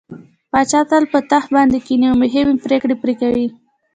پاچا تل په تخت باندې کيني او مهمې پرېکړې پرې کوي.